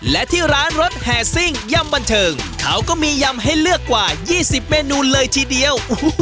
และที่ร้านรถแห่ซิ่งยำบันเทิงเขาก็มียำให้เลือกกว่า๒๐เมนูเลยทีเดียว